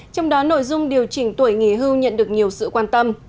trong đó nội dung điều chỉnh tuổi nghỉ hưu nhận được nhiều sự quan tâm